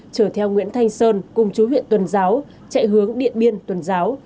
trở theo nguyễn thanh sơn cung chú huyện tuần giáo chạy hướng điện biên tuần giáo